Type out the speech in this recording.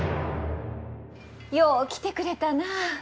よう来てくれたなあ。